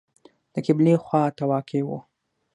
د قبلې خواته واقع و.